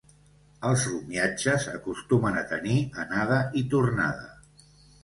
Els romiatges acostumen a tenir anada i tornada.